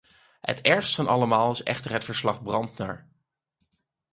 Het ergst van allemaal is echter het verslag-Brantner.